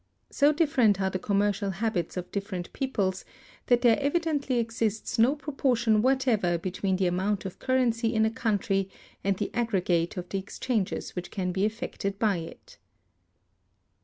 "So different are the commercial habits of different peoples, that there evidently exists no proportion whatever between the amount of currency in a country and the aggregate of the exchanges which can be effected by it."